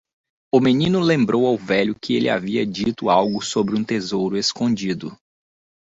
O menino lembrou ao velho que ele havia dito algo sobre um tesouro escondido.